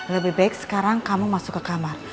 lebih baik sekarang kamu masuk ke kamar